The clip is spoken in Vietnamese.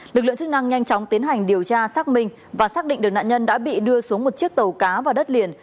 lực lượng chức năng nhanh chóng tiến hành điều tra xác minh và xác định được nạn nhân đã bị đưa xuống một chiếc tàu cá vào đất liền